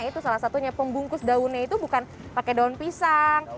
itu salah satunya pembungkus daunnya itu bukan pakai daun pisang